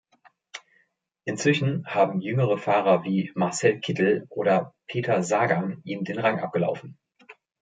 Inzwischen haben jüngere Fahrer wie Marcel Kittel oder Peter Sagan ihm den Rang abgelaufen.